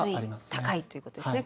高いということですね